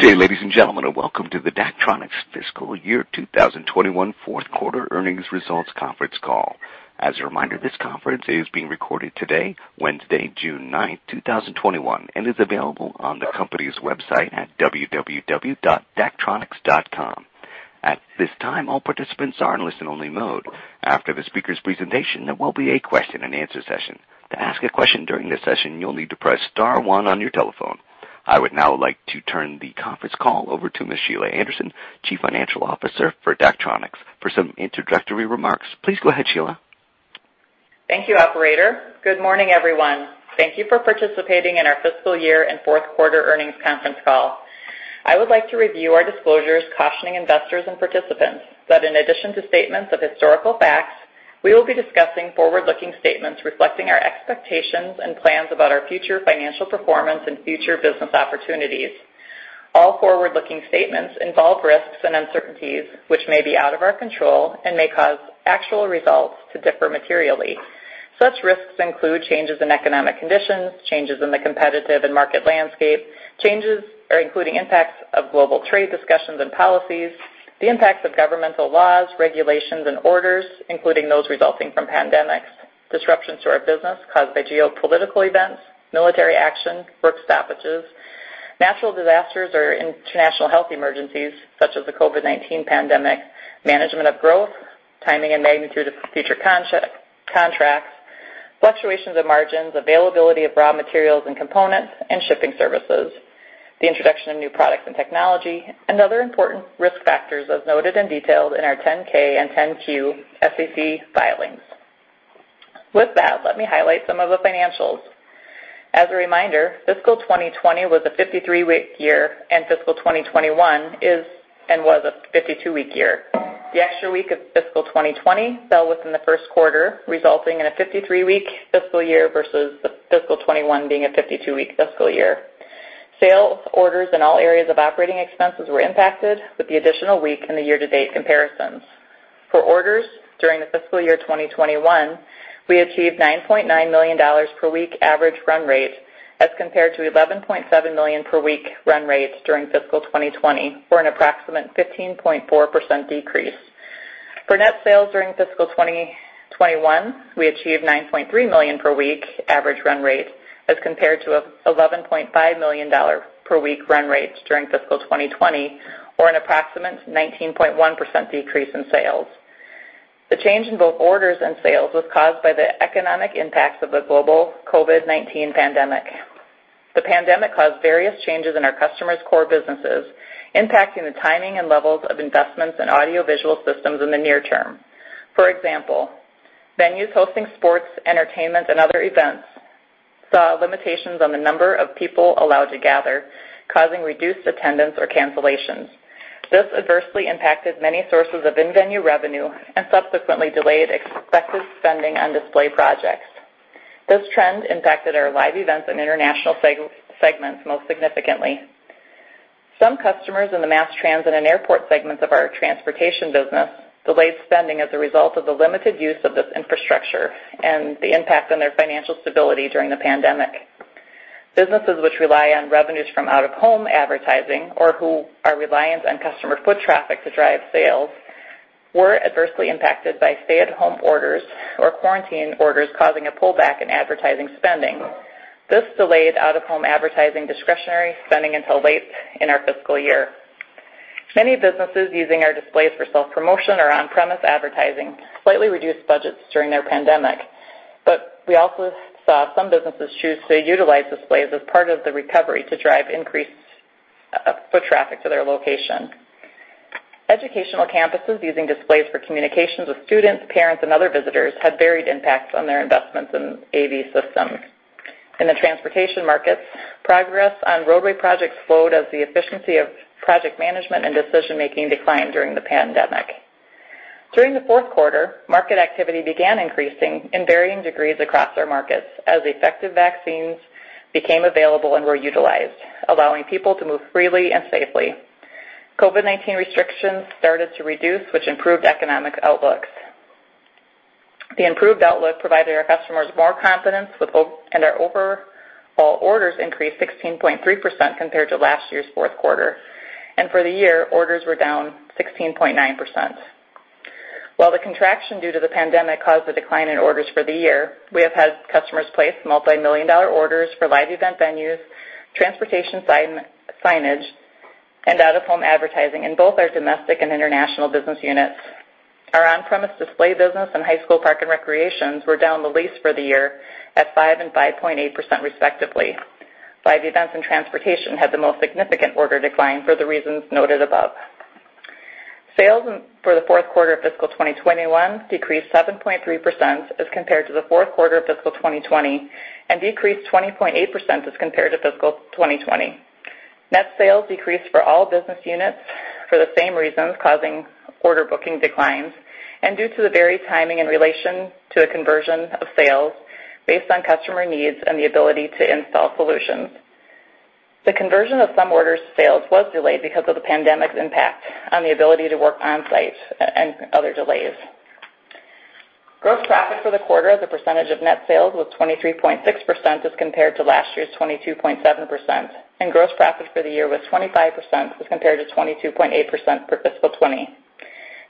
Good day, ladies and gentlemen, and welcome to the Daktronics fiscal year 2021 fourth quarter earnings results conference call. As a reminder, this conference is being recorded today, Wednesday, June 9th, 2021, and is available on the company's website at www.daktronics.com. At this time, all participants are in listen-only mode. After the speaker's presentation, there will be a question and answer session. To ask a question during this session, you'll need to press star one on your telephone. I would now like to turn the conference call over to Ms. Sheila Anderson, Chief Financial Officer for Daktronics, for some introductory remarks. Please go ahead, Sheila. Thank you, operator. Good morning, everyone. Thank you for participating in our fiscal year and fourth quarter earnings conference call. I would like to review our disclosures cautioning investors and participants that in addition to statements of historical facts, we will be discussing forward-looking statements reflecting our expectations and plans about our future financial performance and future business opportunities. All forward-looking statements involve risks and uncertainties which may be out of our control and may cause actual results to differ materially. Such risks include changes in economic conditions, changes in the competitive and market landscape, changes or including impacts of global trade discussions and policies, the impacts of governmental laws, regulations, and orders, including those resulting from pandemics, disruptions to our business caused by geopolitical events, military action, work stoppages, natural disasters, or international health emergencies such as the COVID-19 pandemic, management of growth, timing and magnitude of future contracts, fluctuations in margins, availability of raw materials and components and shipping services, the introduction of new products and technology, and other important risk factors as noted and detailed in our 10-K and 10-Q SEC filings. With that, let me highlight some of the financials. As a reminder, fiscal 2020 was a 53-week year, and fiscal 2021 is and was a 52-week year. The extra week of fiscal 2020 fell within the first quarter, resulting in a 53-week fiscal year versus the FY 2021 being a 52-week fiscal year. Sales orders in all areas of operating expenses were impacted with the additional week in the year-to-date comparisons. For orders during the fiscal year 2021, we achieved $9.9 million per week average run rate as compared to $11.7 million per week run rates during fiscal 2020 for an approximate 15.4% decrease. For net sales during FY 2021, we achieved $9.3 million per week average run rate as compared to $11.5 million per week run rates during fiscal 2020, or an approximate 19.1% decrease in sales. The change in both orders and sales was caused by the economic impacts of the global COVID-19 pandemic. The pandemic caused various changes in our customers' core businesses, impacting the timing and levels of investments in audiovisual systems in the near term. For example, venues hosting sports, entertainment, and other events saw limitations on the number of people allowed to gather, causing reduced attendance or cancellations. This adversely impacted many sources of in-venue revenue and subsequently delayed expected spending on display projects. This trend impacted our live events and international segments most significantly. Some customers in the mass transit and airport segments of our transportation business delayed spending as a result of the limited use of this infrastructure and the impact on their financial stability during the pandemic. Businesses which rely on revenues from out-of-home advertising or who are reliant on customer foot traffic to drive sales were adversely impacted by stay-at-home orders or quarantine orders causing a pullback in advertising spending. This delayed out-of-home advertising discretionary spending until late in our fiscal year. Many businesses using our displays for self-promotion or on-premise advertising slightly reduced budgets during the pandemic. We also saw some businesses choose to utilize displays as part of the recovery to drive increased foot traffic to their location. Educational campuses using displays for communications with students, parents, and other visitors had varied impacts on their investments in AV systems. In the transportation markets, progress on roadway projects slowed as the efficiency of project management and decision-making declined during the pandemic. During the fourth quarter, market activity began increasing in varying degrees across our markets as effective vaccines became available and were utilized, allowing people to move freely and safely. COVID-19 restrictions started to reduce, which improved economic outlooks. The improved outlook provided our customers more confidence and our overall orders increased 16.3% compared to last year's fourth quarter. For the year, orders were down 16.9%. While the contraction due to the pandemic caused a decline in orders for the year, we have had customers place multimillion-dollar orders for live event venues, transportation signage, and out-of-home advertising in both our domestic and international business units. Our on-premise display business and high school park and recreations were down the least for the year at 5% and 5.8%, respectively. Live events and transportation had the most significant order decline for the reasons noted above. Sales for the fourth quarter of fiscal 2021 decreased 7.3% as compared to the fourth quarter of fiscal 2020 and decreased 20.8% as compared to fiscal 2020. Net sales decreased for all business units for the same reasons, causing order booking declines and due to the varied timing in relation to the conversion of sales based on customer needs and the ability to install solutions. The conversion of some orders sales was delayed because of the pandemic's impact on the ability to work on-site and other delays. Gross profit for the quarter as a percentage of net sales was 23.6% as compared to last year's 22.7%, and gross profit for the year was 25% as compared to 22.8% for FY 2020.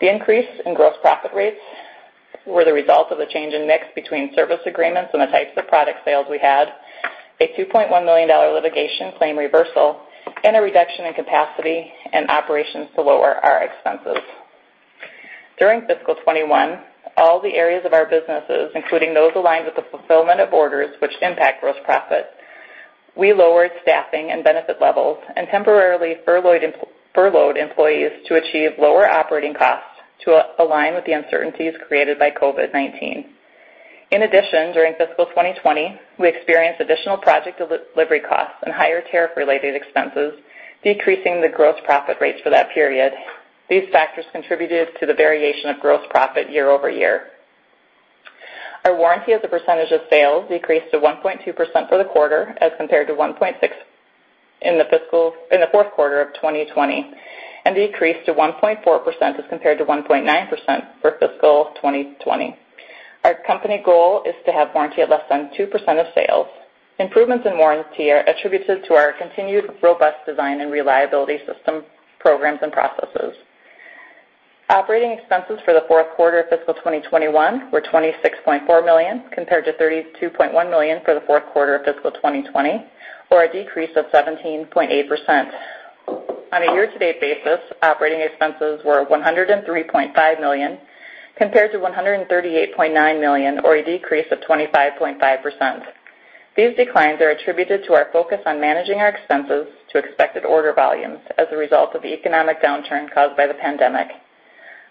The increase in gross profit rates were the result of a change in mix between service agreements and the types of product sales we had, a $2.1 million litigation claim reversal, and a reduction in capacity and operations to lower our expenses. During fiscal 2021, all the areas of our businesses, including those aligned with the fulfillment of orders which impact gross profit, we lowered staffing and benefit levels and temporarily furloughed employees to achieve lower operating costs to align with the uncertainties created by COVID-19. In addition, during fiscal 2020, we experienced additional project delivery costs and higher care-related expenses, decreasing the gross profit rates for that period. These factors contributed to the variation of gross profit year-over-year. Our warranty as a percentage of sales decreased to 1.2% for the quarter as compared to 1.6% in the fourth quarter of 2020, and decreased to 1.4% as compared to 1.9% for fiscal 2020. Our company goal is to have warranty of less than 2% of sales. Improvements in warranty are attributed to our continued robust design and reliability system programs and processes. Operating expenses for the fourth quarter of fiscal 2021 were $26.4 million compared to $32.1 million for the fourth quarter of fiscal 2020, or a decrease of 17.8%. On a year-to-date basis, operating expenses were $103.5 million compared to $138.9 million, or a decrease of 25.5%. These declines are attributed to our focus on managing our expenses to expected order volumes as a result of the economic downturn caused by the pandemic.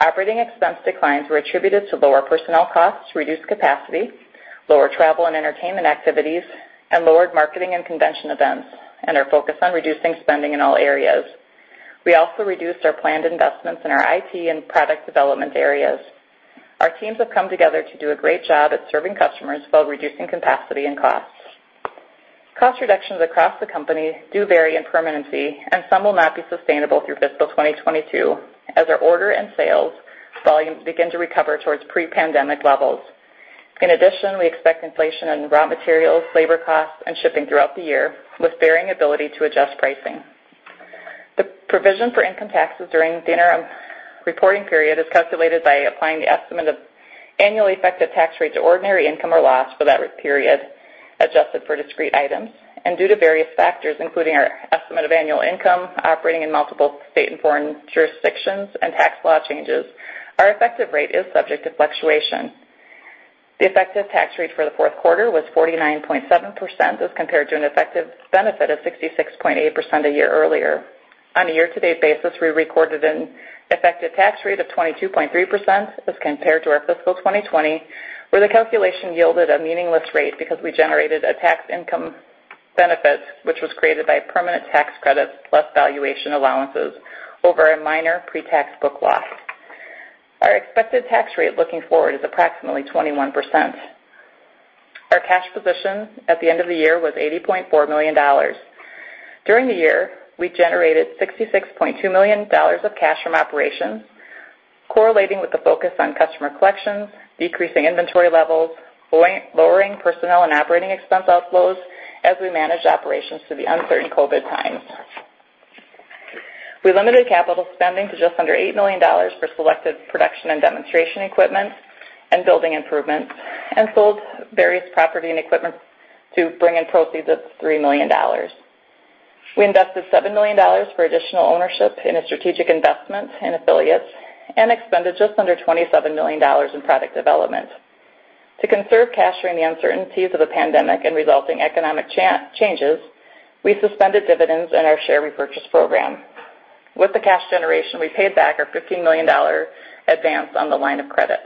Operating expense declines were attributed to lower personnel costs, reduced capacity, lower travel and entertainment activities, and lowered marketing and convention events, and are focused on reducing spending in all areas. We also reduced our planned investments in our IT and product development areas. Our teams have come together to do a great job at serving customers while reducing capacity and costs. Cost reductions across the company do vary in permanency, and some will not be sustainable through fiscal 2022 as our order and sales volume begin to recover towards pre-pandemic levels. In addition, we expect inflation in raw materials, labor costs, and shipping throughout the year, with varying ability to adjust pricing. The provision for income taxes during the interim reporting period is calculated by applying the estimate of annual effective tax rate to ordinary income or loss for that period, adjusted for discrete items. Due to various factors, including our estimate of annual income, operating in multiple state and foreign jurisdictions, and tax law changes, our effective rate is subject to fluctuation. The effective tax rate for the fourth quarter was 49.7% as compared to an effective benefit of 66.8% a year earlier. On a year-to-date basis, we recorded an effective tax rate of 22.3% as compared to our fiscal 2020, where the calculation yielded a meaningless rate because we generated a tax income benefit, which was created by permanent tax credits plus valuation allowances over a minor pre-tax book loss. Our expected tax rate looking forward is approximately 21%. Our cash position at the end of the year was $80.4 million. During the year, we generated $66.2 million of cash from operations, correlating with the focus on customer collections, decreasing inventory levels, lowering personnel and operating expense outflows as we managed operations through the uncertain COVID times. We limited capital spending to just under $8 million for selected production and demonstration equipment and building improvements, and sold various property and equipment to bring in proceeds of $3 million. We invested $7 million for additional ownership in a strategic investment in affiliates and expended just under $27 million in product development. To conserve cash during the uncertainties of the pandemic and resulting economic changes, we suspended dividends in our share repurchase program. With the cash generation, we paid back our $15 million advance on the line of credit.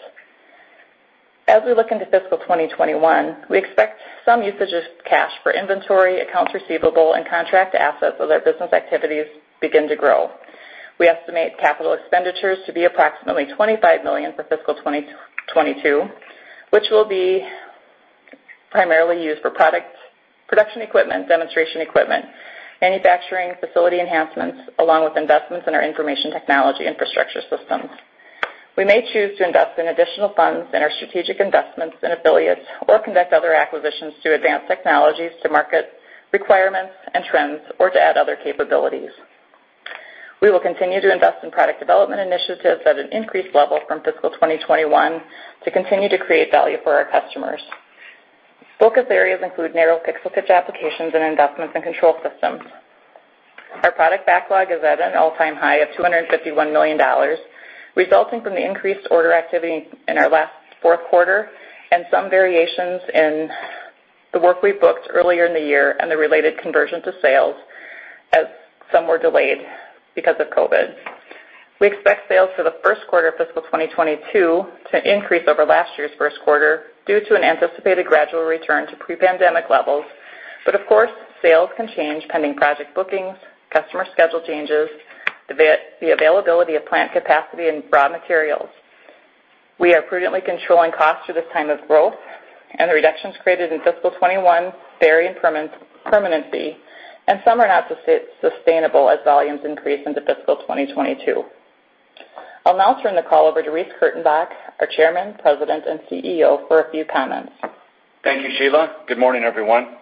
As we look into fiscal 2021, we expect some usage of cash for inventory, accounts receivable, and contract assets as our business activities begin to grow. We estimate capital expenditures to be approximately $25 million for fiscal 2022, which will be primarily used for production equipment, demonstration equipment, manufacturing and facility enhancements, along with investments in our information technology infrastructure systems. We may choose to invest in additional funds in our strategic investments in affiliates or conduct other acquisitions to advance technologies to market requirements and trends or to add other capabilities. We will continue to invest in product development initiatives at an increased level from fiscal 2021 to continue to create value for our customers. Focus areas include narrow pixel pitch applications and investment and control systems. Our product backlog is at an all-time high of $251 million, resulting from the increased order activity in our last fourth quarter and some variations in the work we booked earlier in the year and the related conversion to sales as some were delayed because of COVID. We expect sales for the first quarter of fiscal 2022 to increase over last year's first quarter due to an anticipated gradual return to pre-pandemic levels. Of course, sales can change pending project bookings, customer schedule changes, the availability of plant capacity and raw materials. We are currently controlling costs for this time of growth. The reductions created in fiscal 2021 vary in permanency, and some are not sustainable as volumes increase into fiscal 2022. I'll now turn the call over to Reece Kurtenbach, our Chairman, President, and CEO, for a few comments. Thank you, Sheila. Good morning, everyone.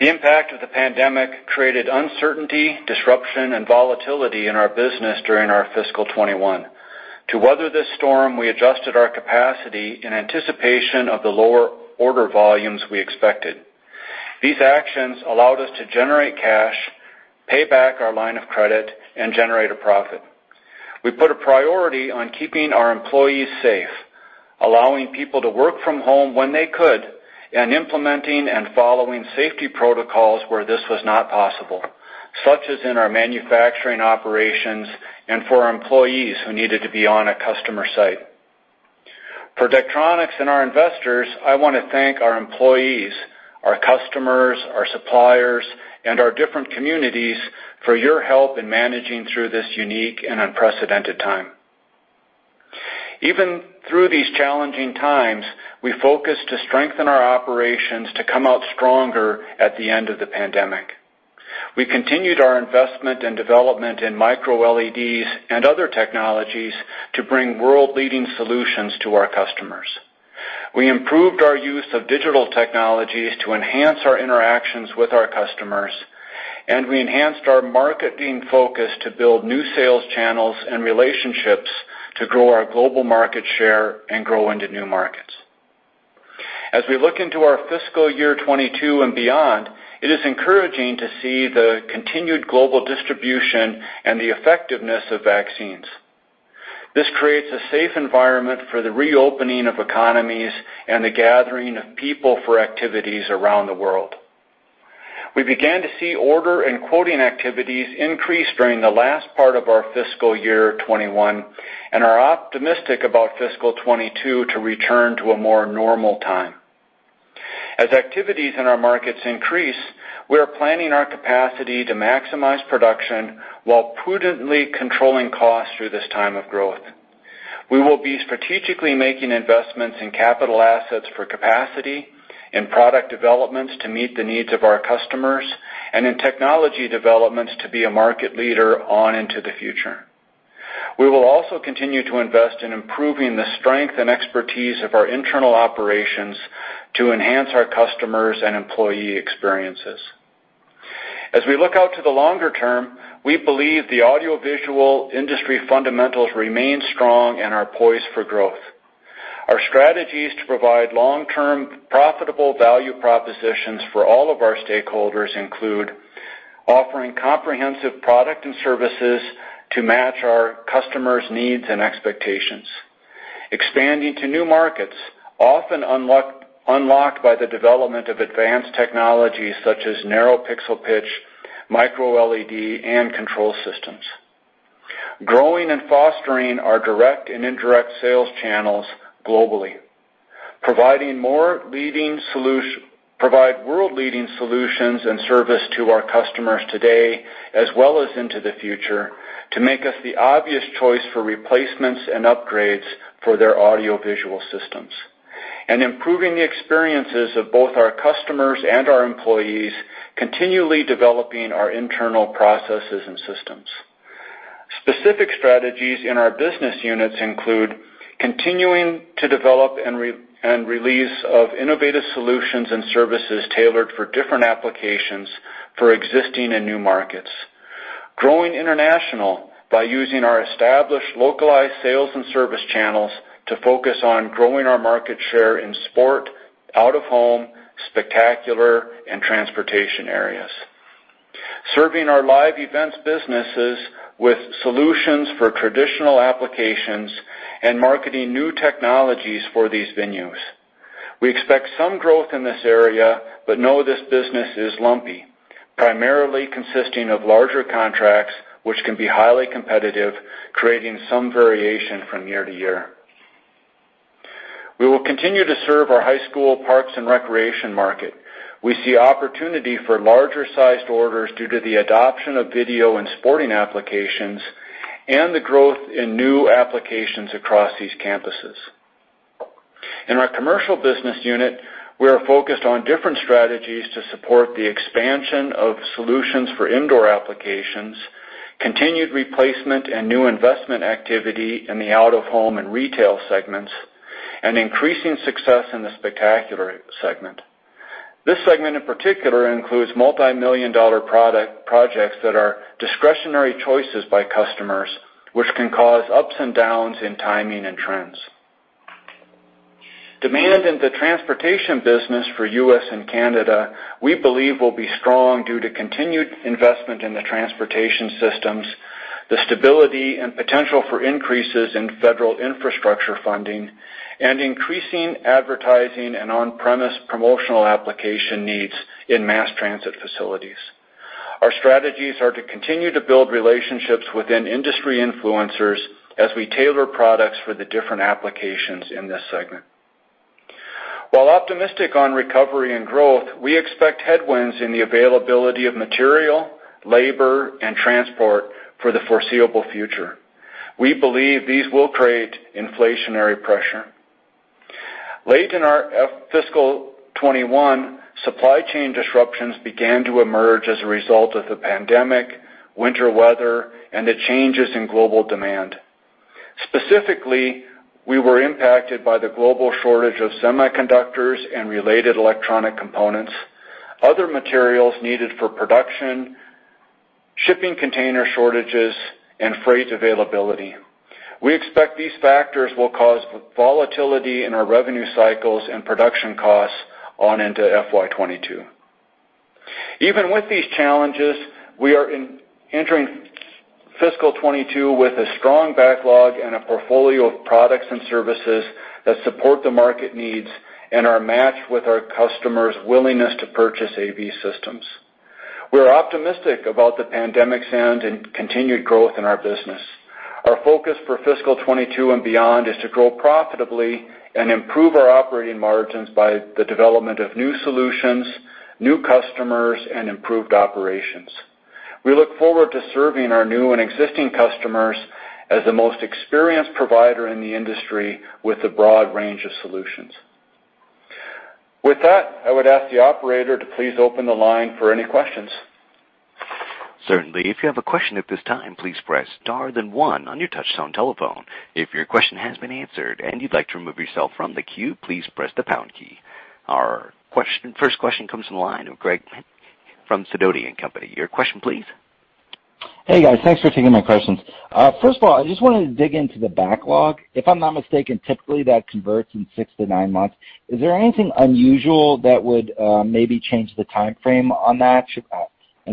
The impact of the pandemic created uncertainty, disruption, and volatility in our business during our fiscal 2021. To weather this storm, we adjusted our capacity in anticipation of the lower order volumes we expected. These actions allowed us to generate cash, pay back our line of credit, and generate a profit. We put a priority on keeping our employees safe, allowing people to work from home when they could, and implementing and following safety protocols where this was not possible, such as in our manufacturing operations and for our employees who needed to be on a customer site. For Daktronics and our investors, I want to thank our employees, our customers, our suppliers, and our different communities for your help in managing through this unique and unprecedented time. Even through these challenging times, we focused to strengthen our operations to come out stronger at the end of the pandemic. We continued our investment and development in MicroLED and other technologies to bring world-leading solutions to our customers. We improved our use of digital technologies to enhance our interactions with our customers, and we enhanced our marketing focus to build new sales channels and relationships to grow our global market share and grow into new markets. As we look into our fiscal year 2022 and beyond, it is encouraging to see the continued global distribution and the effectiveness of vaccines. This creates a safe environment for the reopening of economies and the gathering of people for activities around the world. We began to see order and quoting activities increase during the last part of our fiscal year 2021 and are optimistic about fiscal 2022 to return to a more normal time. As activities in our markets increase, we are planning our capacity to maximize production while prudently controlling costs through this time of growth. We will be strategically making investments in capital assets for capacity, in product developments to meet the needs of our customers, and in technology developments to be a market leader on into the future. We will also continue to invest in improving the strength and expertise of our internal operations to enhance our customers' and employee experiences. As we look out to the longer-term, we believe the audiovisual industry fundamentals remain strong and are poised for growth. Our strategies to provide long-term profitable value propositions for all of our stakeholders include offering comprehensive product and services to match our customers' needs and expectations, expanding to new markets, often unlocked by the development of advanced technologies such as narrow pixel pitch, MicroLED, and control systems, growing and fostering our direct and indirect sales channels globally, provide world-leading solutions and service to our customers today as well as into the future to make us the obvious choice for replacements and upgrades for their audiovisual systems, and improving the experiences of both our customers and our employees, continually developing our internal processes and systems. Specific strategies in our business units include continuing to develop and release of innovative solutions and services tailored for different applications for existing and new markets, growing international by using our established localized sales and service channels to focus on growing our market share in sport, out of home, spectacular, and transportation areas, serving our live events businesses with solutions for traditional applications and marketing new technologies for these venues. We expect some growth in this area, but know this business is lumpy, primarily consisting of larger contracts, which can be highly competitive, creating some variation from year-to-year. We will continue to serve our high school parks and recreation market. We see opportunity for larger-sized orders due to the adoption of video and sporting applications and the growth in new applications across these campuses. In our commercial business unit, we are focused on different strategies to support the expansion of solutions for indoor applications, continued replacement and new investment activity in the out of home and retail segments, and increasing success in the spectacular segment. This segment, in particular, includes multimillion-dollar projects that are discretionary choices by customers, which can cause ups and downs in timing and trends. Demand in the transportation business for U.S. and Canada, we believe will be strong due to continued investment in the transportation systems, the stability and potential for increases in federal infrastructure funding, and increasing advertising and on-premise promotional application needs in mass transit facilities. Our strategies are to continue to build relationships within industry influencers as we tailor products for the different applications in this segment. While optimistic on recovery and growth, we expect headwinds in the availability of material, labor, and transport for the foreseeable future. We believe these will create inflationary pressure. Late in our fiscal 2021, supply chain disruptions began to emerge as a result of the pandemic, winter weather, and the changes in global demand. Specifically, we were impacted by the global shortage of semiconductors and related electronic components, other materials needed for production, shipping container shortages, and freight availability. We expect these factors will cause volatility in our revenue cycles and production costs on into FY 2022. Even with these challenges, we are entering fiscal 2022 with a strong backlog and a portfolio of products and services that support the market needs and are matched with our customers' willingness to purchase AV systems. We're optimistic about the pandemic's end and continued growth in our business. Our focus for FY 2022 and beyond is to grow profitably and improve our operating margins by the development of new solutions, new customers, and improved operations. We look forward to serving our new and existing customers as the most experienced provider in the industry with a broad range of solutions. With that, I would ask the operator to please open the line for any questions. Certainly. If you have a question at this time, please press star then one on your touchtone telephone. If your question has been answered and you would like to remove yourself from the queue, please press the pound key. Our first question comes from the line of Greg from Sidoti & Company. Your question, please. Hey, guys. Thanks for taking my questions. First of all, I just wanted to dig into the backlog. If I'm not mistaken, typically that converts in six to nine months. Is there anything unusual that would maybe change the timeframe on that?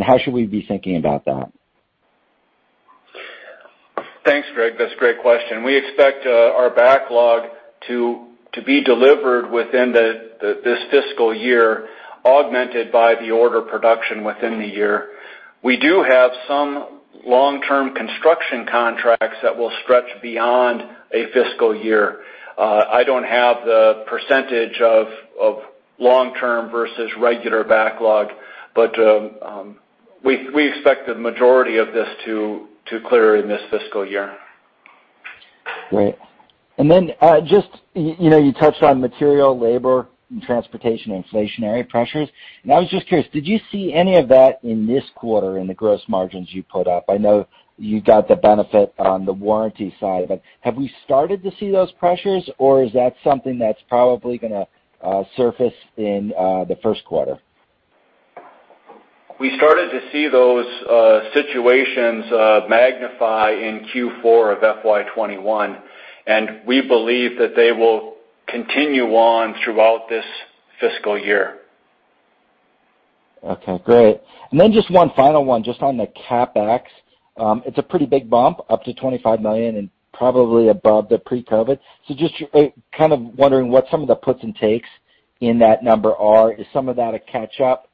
How should we be thinking about that? Thanks, Greg. That's a great question. We expect our backlog to be delivered within this fiscal year, augmented by the order production within the year. We do have some long-term construction contracts that will stretch beyond a fiscal year. I don't have the percentage of long-term versus regular backlog, but we expect the majority of this to clear in this fiscal year. Great. Just, you touched on material, labor, and transportation inflationary pressures, and I was just curious, did you see any of that in this quarter in the gross margins you put up? I know you got the benefit on the warranty side, but have we started to see those pressures, or is that something that's probably going to surface in the first quarter? We started to see those situations magnify in Q4 of FY 2021, and we believe that they will continue on throughout this fiscal year. Okay, great. Just one final one just on the CapEx. It's a pretty big bump, up to $25 million and probably above the pre-COVID. Just kind of wondering what some of the puts and takes in that number are. Is some of that a catch-up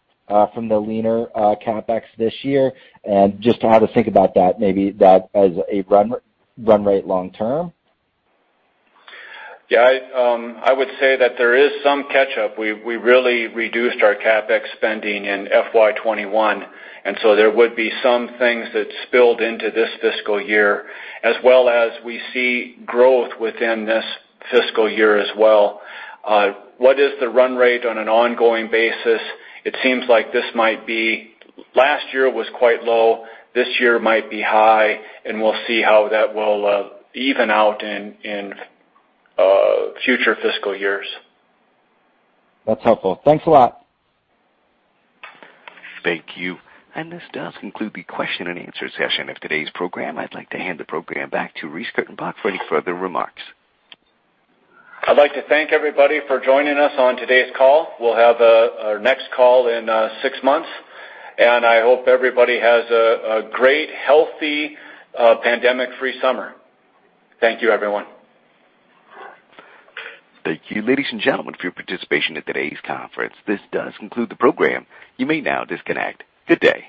from the leaner CapEx this year? Just how to think about that, maybe that as a run rate long-term. Yeah, I would say that there is some catch-up. We really reduced our CapEx spending in FY 2021, and so there would be some things that spilled into this fiscal year, as well as we see growth within this fiscal year as well. What is the run rate on an ongoing basis? It seems like last year was quite low, this year might be high, and we'll see how that will even out in future fiscal years. That's helpful. Thanks a lot. Thank you. This does conclude the question and answer session of today's program. I'd like to hand the program back to Reece Kurtenbach for any further remarks. I'd like to thank everybody for joining us on today's call. We'll have our next call in six months, and I hope everybody has a great, healthy, pandemic-free summer. Thank you, everyone. Thank you, ladies and gentlemen, for your participation in today's conference. This does conclude the program. You may now disconnect. Good day.